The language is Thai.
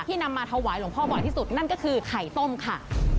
นำมาถวายหลวงพ่อบ่อยที่สุดนั่นก็คือไข่ต้มค่ะ